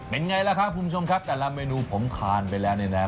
เป็นไงล่ะครับคุณผู้ชมครับแต่ละเมนูผมทานไปแล้วเนี่ยนะ